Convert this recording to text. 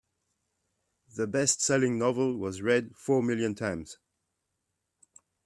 The bestselling novel was read four million times.